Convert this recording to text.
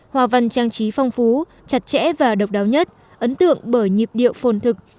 hòa văn trang trí phong phú chặt chẽ và độc đáo nhất ấn tượng bởi nhịp điệu phồn thực